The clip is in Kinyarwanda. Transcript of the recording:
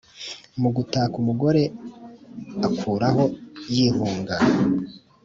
mu gukata umugore akuraho yihunga.